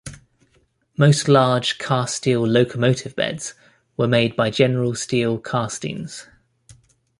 Most large cast-steel locomotive beds were made by General Steel Castings.